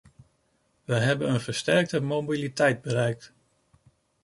We hebben een versterkte mobiliteit bereikt.